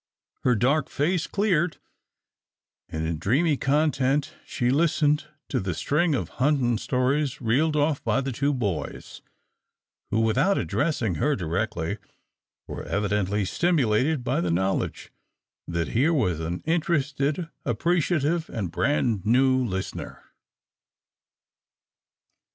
Her dark face cleared, and in dreamy content she listened to the string of hunting stories reeled off by the two boys, who, without addressing her directly, were evidently stimulated by the knowledge that here was an interested, appreciative, and "brand new" listener.